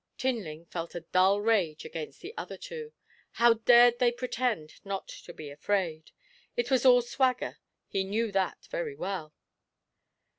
Tinling felt a dull rage against the other two. How dared they pretend not to be afraid? It was all swagger he knew that very well.